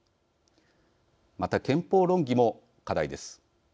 また、憲法論議も課題です。